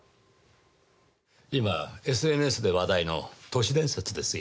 今、ＳＮＳで話題の都市伝説ですよ。